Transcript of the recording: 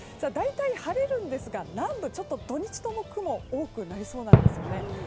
大体晴れるんですが南部、土日とも雲が多くなりそうなんですよね。